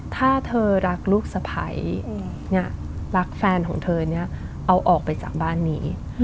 ถ้าเธอรักลูกสะพ้ายรักแฟนของเธอเนี่ยเอาออกไปจากบ้านนี้